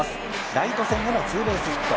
ライト線へのツーベースヒット。